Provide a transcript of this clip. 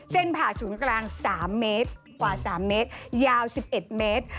ผ่าศูนย์กลาง๓เมตรกว่า๓เมตรยาว๑๑เมตร